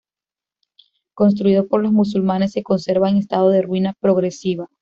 Construido por los musulmanes, se conserva en estado de ruina progresiva.